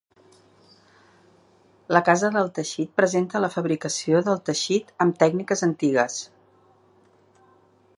La casa del teixit presenta la fabricació del teixit amb tècniques antigues.